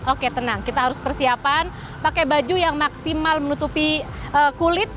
oke tenang kita harus persiapan pakai baju yang maksimal menutupi kulit